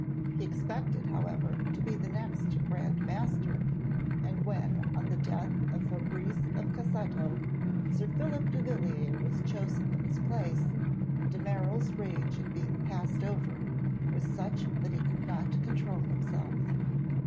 He expected, however, to be the next Grand Master, and when, on the death of Fabrice of Cacetto, Sir Philip de Villiers was chosen in his place, de Merall's rage at being passed over was such that he could not control himself.